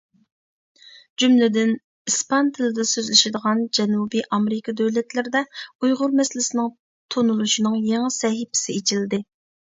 جۈملىدىن، ئىسپان تىلىدا سۆزلىشىدىغان جەنۇبى ئامېرىكا دۆلەتلىرىدە ئۇيغۇر مەسىلىسىنىڭ تونۇلۇشىنىڭ يېڭى سەھىپىسى ئېچىلدى.